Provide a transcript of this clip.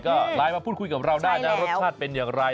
ก็ไลน์มาพูดคุยกับเราได้นะรสชาติเป็นอย่างไร